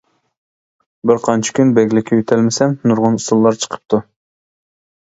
بىر قانچە كۈن بەگلىككە ئۆتەلمىسەم نۇرغۇن ئۇسۇللار چىقىپتۇ!